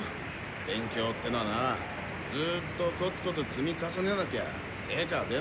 勉強ってのはなぁずっとコツコツ積み重ねなきゃ成果は出ないんだぞ。